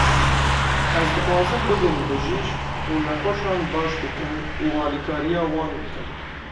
Ez dixwazim bibim bijîşk û nexweşan baş bikim û alîkariya wan bikim.